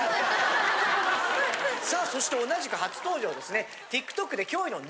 さあそして同じく初登場ですね。